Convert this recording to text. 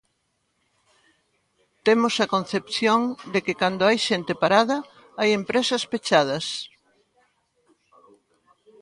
Temos a concepción de que cando hai xente parada hai empresas pechadas.